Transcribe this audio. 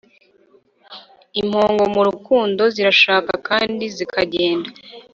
impongo mu rukundo zirashaka kandi zikagenda